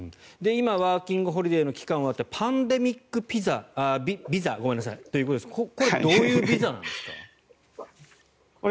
今、ワーキングホリデーの期間が終わってパンデミックビザということですがこれはどういうビザなんですか？